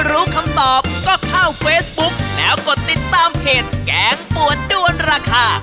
รู้คำตอบก็เข้าเฟซบุ๊กแล้วกดติดตามเพจแกงปวดด้วนราคา